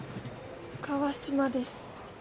川嶋です。